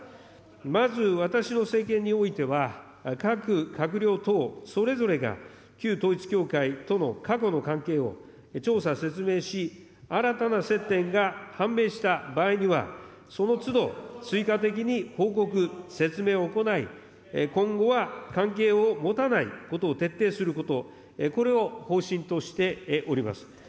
まず、私の政権においては、各閣僚等それぞれが旧統一教会との過去の関係を調査、説明し、新たな接点が判明した場合には、そのつど追加的に報告、説明を行い、今後は関係を持たないことを徹底すること、これを方針としております。